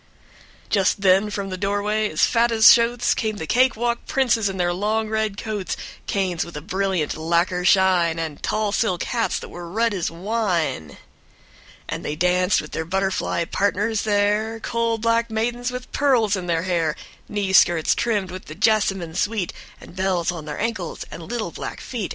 # Just then from the doorway, as fat as shotes, Came the cake walk princes in their long red coats, Canes with a brilliant lacquer shine, And tall silk hats that were red as wine. # With growing speed and sharply marked dance rhythm. # And they pranced with their butterfly partners there, Coal black maidens with pearls in their hair, Knee skirts trimmed with the jassamine sweet, And bells on their ankles and little black feet.